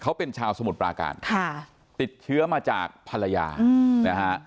เขาเป็นชาวสมุทรปราการค่ะติดเชื้อมาจากภรรยานะฮะ